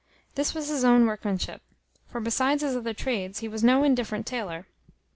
This was his own workmanship; for besides his other trades, he was no indifferent taylor.